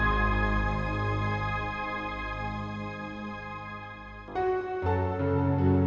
anda nger advis air orang di mana kamu